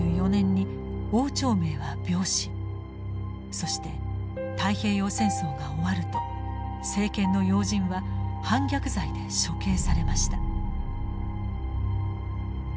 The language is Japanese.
そして太平洋戦争が終わると政権の要人は反逆罪で処刑されました。